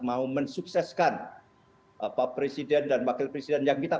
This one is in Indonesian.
mau mensukseskan presiden dan wakil presiden yang kita